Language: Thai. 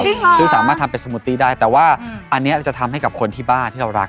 ซื้อสามารถทำเป็นสมูตตี้ได้แต่ว่าอันนี้จะทำให้กับคนที่บ้านที่เรารัก